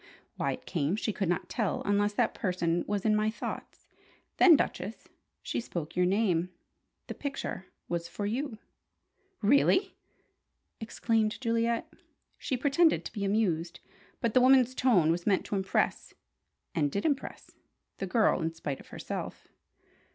Why it came, she could not tell unless that person was in my thoughts. Then, Duchess, she spoke your name. The picture was for you." "Really!" exclaimed Juliet. She pretended to be amused; but the woman's tone was meant to impress, and did impress, the girl in spite of herself.